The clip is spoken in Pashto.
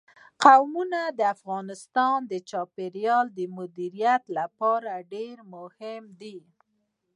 قومونه د افغانستان د چاپیریال د مدیریت لپاره ډېر مهم دي.